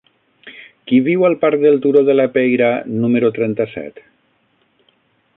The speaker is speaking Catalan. Qui viu al parc del Turó de la Peira número trenta-set?